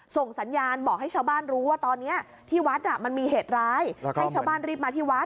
ส่งสัญญาณบอกให้ชาวบ้านรู้ว่าตอนนี้ที่วัดมันมีเหตุร้ายให้ชาวบ้านรีบมาที่วัด